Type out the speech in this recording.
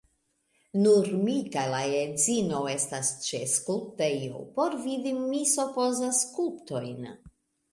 Nun mi kaj la edzino estas ĉe skulptejo, por vidi, mi supozas, skulptojn.